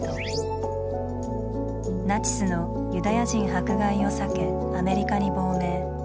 ナチスのユダヤ人迫害を避けアメリカに亡命。